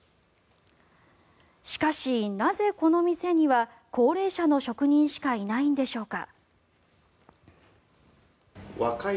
しかし、なぜこの店には高齢者の職人しかいないんでしょうか。